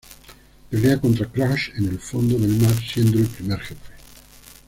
Pelea contra Crash en el fondo del mar siendo el primer jefe.